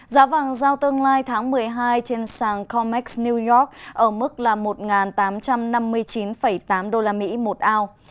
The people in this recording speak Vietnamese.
giá vàng giao tương lai tháng một mươi hai trên sàng comex new york ở mức là một tám trăm năm mươi chín tám usd một ao